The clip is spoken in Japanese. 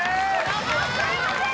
すいません！